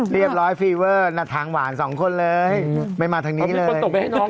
เรียบร้อยฟีเวอร์หน้าทางหวานสองคนเลยไม่มาทางนี้เลย